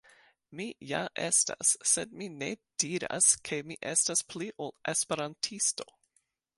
Mi ja estas, sed mi ne diras ke mi estas pli ol Esperantisto.